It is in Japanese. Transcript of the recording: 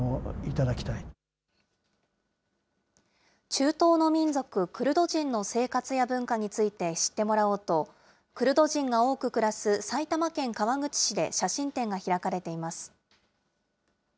中東の民族、クルド人の生活や文化について知ってもらおうと、クルド人が多く暮らす埼玉県川口市で写真展が開かれています。